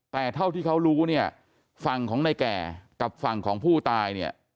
แต่เท่าที่เขารู้เนี่ยฝั่งของในแก่กับฝั่งของผู้ตายเนี่ย